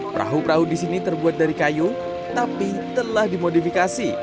perahu perahu di sini terbuat dari kayu tapi telah dimodifikasi